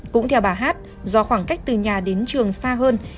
cũng theo bà hát do khoảng cách từ nhà đến trường xa hơn